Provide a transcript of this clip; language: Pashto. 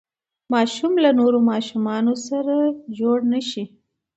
ماشوم له نورو ماشومانو سره جوړ نه شي.